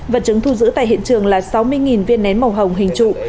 vật chứng thu giữ tại hiện trường là sáu mươi viên nén màu hồng hình trụ